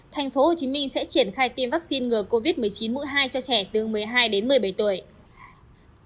tp hcm sẽ triển khai tiêm vaccine ngừa covid một mươi chín mũi hai cho trẻ từ một mươi hai đến một mươi bảy tuổi